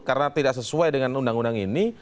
karena tidak sesuai dengan undang undang ini